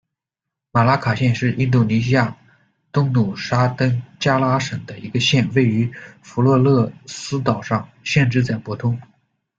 马拉卡县是印度尼西亚东努沙登加拉省的一个县，位于弗洛勒斯岛上，县治在伯通。